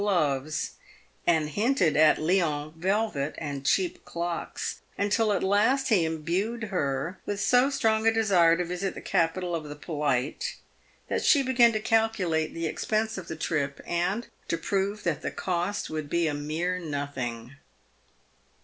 gloves ; and hinted at Lyons velvet and cheap clocks, until at last he imbued her with so strong a desire to visit the capital of the polite, that she began to calculate the expense of the trip, and to prove that the cost would be a mere nothing.